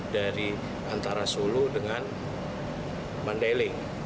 dari antara solo dengan mandailing